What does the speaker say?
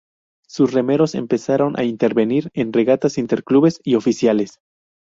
Sus remeros empezaron a intervenir en regatas interclubes y oficiales.